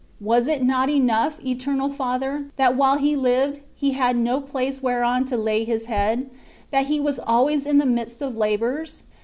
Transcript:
Was it not enough, Ettt&m' Father ! tliat while He lived, He had no pl^e whereon to lay His .ttead ; that He was always in the midst of labours?